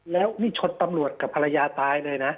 แล้วนี่ชนตำรวจกับภรรยาตายเลยนะ